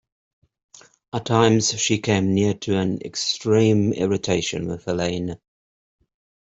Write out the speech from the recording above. At times she came near to an extreme irritation with Helene.